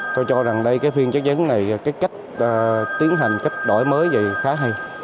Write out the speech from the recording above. tôi cho rằng đây cái phiên chất vấn này cái cách tiến hành cách đổi mới vậy khá hay